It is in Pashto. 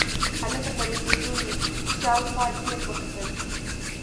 هلته په رسېدو مې شاوخوا ډېر وکتل.